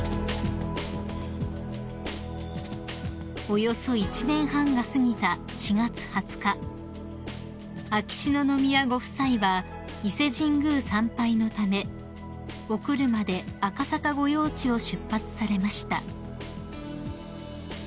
［およそ１年半が過ぎた４月２０日秋篠宮ご夫妻は伊勢神宮参拝のためお車で赤坂御用地を出発されました］